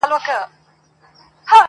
تیاره مالت وي پکښي خیر و شر په کاڼو ولي!.